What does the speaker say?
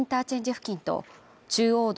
付近と中央道